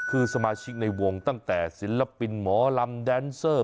คือสมาชิกในวงตั้งแต่ศิลปินหมอลำแดนเซอร์